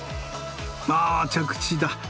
あ着地だ。